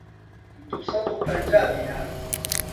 دوو سەد و پەنجا دینار